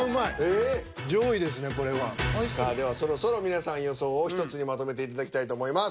さあではそろそろ皆さん予想を１つにまとめていただきたいと思います。